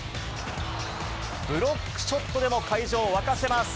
ブロックショットでも会場を沸かせます。